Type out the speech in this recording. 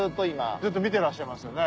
ずっと見てらっしゃいますよね。